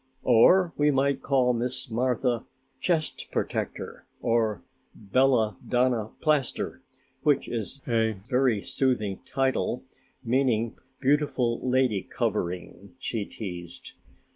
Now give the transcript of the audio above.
"Or we might call Miss Martha 'Chest Protector' or 'Bella Donna Plaster', which is a very soothing title, meaning 'Beautiful Lady Covering'," she teased.